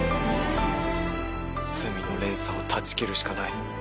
罪の連鎖を断ち切るしかない。